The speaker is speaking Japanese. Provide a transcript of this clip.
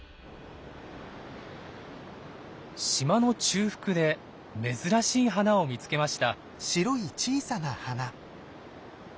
島の中腹で珍しい花を見つけました。